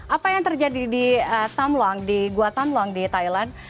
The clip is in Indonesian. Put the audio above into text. apa yang terjadi di gua tam luang di thailand